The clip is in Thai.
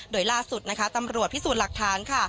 โดยล่าสุดนะคะตำรวจพิสูจน์หลักฐานค่ะ